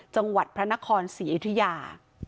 จังหวัดพระนครศรีอยุธยา